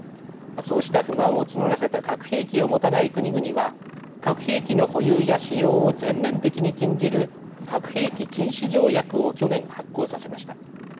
そうした不満を募らせた核兵器を持たない国々は核兵器の保有や使用を全面的に禁じる核兵器禁止条約を去年、発効させました。